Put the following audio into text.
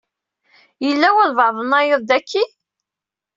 Yella walebɛaḍ-nnayeḍ daki?